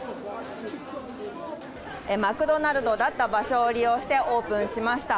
マクドナルドだった場所を利用してオープンしました。